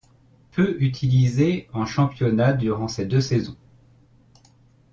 Peu utilisé en championnat durant ces deux saisons.